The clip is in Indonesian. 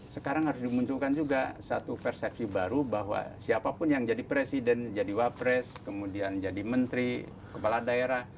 sekarang harus dimunculkan juga satu persepsi baru bahwa siapapun yang jadi presiden jadi wapres kemudian jadi menteri kepala daerah